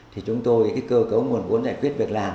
thì chúng tôi cái cơ cấu nguồn vốn giải quyết việc làm